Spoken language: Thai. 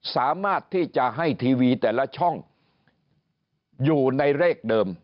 สามารถที่จะให้ทีวีแต่ละช่องอยู่ในเลขเดิม